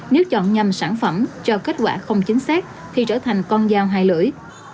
nếu chọn nhầm sản phẩm cho kết quả không chính xác khi trở thành con dao hai lưỡi